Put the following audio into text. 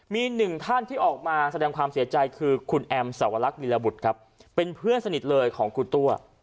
มีหนึ่งท่านที่ออกมาแสดงความเสียใจคือคุณแอมสวรรคลีลบุตรครับเป็นเพื่อนสนิทเลยของคุณตัว